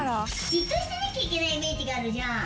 じっとしてなきゃいけないイメージがあるじゃん。